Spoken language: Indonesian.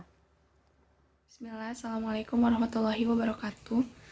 bismillah assalamualaikum warahmatullahi wabarakatuh